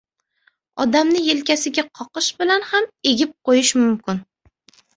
— Odamni yelkasiga qoqish bilan ham egib qo‘yish mumkin.